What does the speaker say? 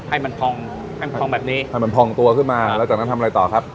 ให้มันพองให้พองแบบนี้ให้มันพองตัวขึ้นมาแล้วจากนั้นทำอะไรต่อครับ